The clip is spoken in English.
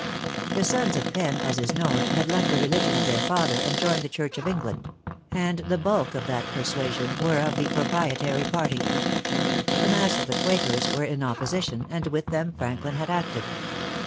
The sons of Penn, as is known, had left the religion of their father, and joined the Church of England; and the bulk of that persuasion were of the proprietary party. The mass of the Quakers were in opposition, and with them Franklin had acted.